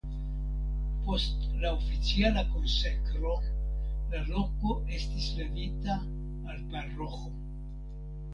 Post la oficiala konsekro la loko estis levita al paroĥo.